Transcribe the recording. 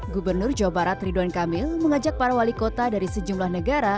gubernur jawa barat ridwan kamil mengajak para wali kota dari sejumlah negara